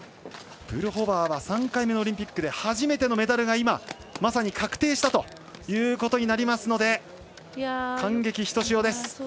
ブルホバーは３回目のオリンピックで初めてのメダルが今、まさに確定したということになりますので感激ひとしおです。